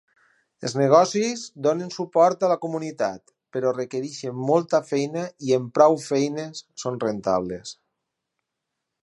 Els negocis donen suport a la comunitat, però requereixen molta feina i amb prou feines són rentables.